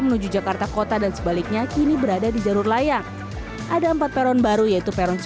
menuju jakarta kota dan sebaliknya kini berada di jalur layang ada empat peron baru yaitu peron